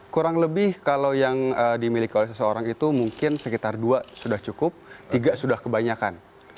kurang lebih kalau yang dimiliki oleh seseorang itu mungkin sekitar dua sudah cukup tiga sudah kebanyakan